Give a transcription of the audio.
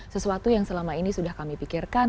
sesuatu yang selama ini sudah kami pikirkan